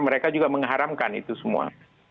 mereka juga mengharamkan itu semua